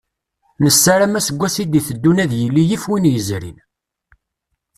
Nassaram aseggas i d-iteddun ad yili yif win yezrin.